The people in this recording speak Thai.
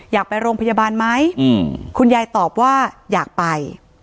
อยากไปโรงพยาบาลไหมคุณยายตอบว่าอยากไป